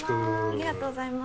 ありがとうございます。